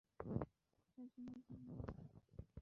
সেটার জন্য ধন্যবাদ।